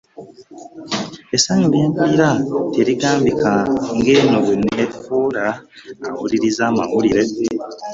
Essanyu lye mpulira terigambika ng’eno bwe nneefuula awuliriza amawulire.